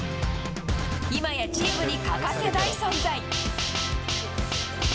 今やチームに欠かせない存在。